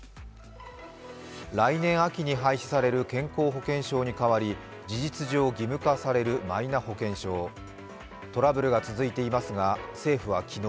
来年秋に廃止される健康保険証に代わり事実上、義務化されるマイナ保険証トラブルが続いていますが政府は昨日